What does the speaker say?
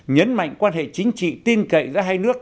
nhấn mạnh quan hệ chính trị tin cậy giữa hai nước